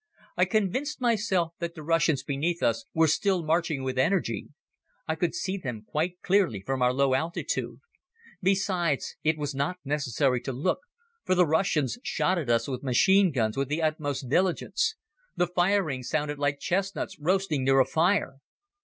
I convinced myself that the Russians beneath us were still marching with energy. I could see them quite clearly from our low altitude. Besides it was not necessary to look, for the Russians shot at us with machine guns with the utmost diligence. The firing sounded like chestnuts roasting near a fire.